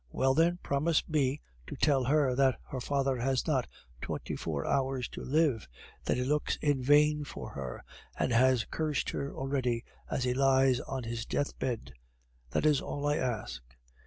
Well, then, promise me to tell her that her father has not twenty four hours to live; that he looks in vain for her, and has cursed her already as he lies on his deathbed, that is all I ask."